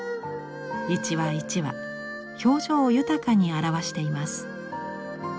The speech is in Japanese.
一羽一羽表情豊かに表しています。